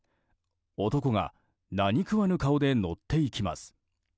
男が何食わぬ顔で乗っていきます。